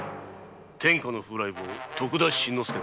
天下の風来坊徳田新之助だ。